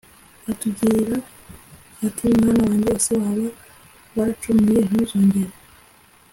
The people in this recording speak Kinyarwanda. atugira ati "Mwana wanjye se waba waracumuye ? Ntuzongere